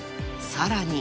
［さらに］